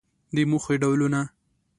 د موخې ډولونه